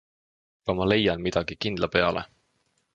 Aga ma leian midagi kindla peale.